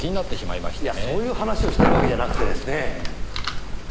いやそういう話をしてるわけじゃなくてですね。